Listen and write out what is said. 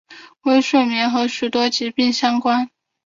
微睡眠和许多疾病关联。